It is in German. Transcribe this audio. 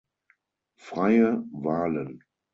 Freie Wahlen.